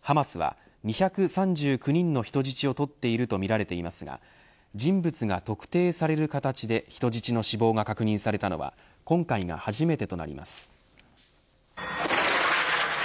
ハマスは２３９人の人質を取っているとみられていますが人物が特定される形で人質の死亡が確認されたのは今回が初めてとなります。